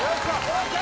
ＯＫ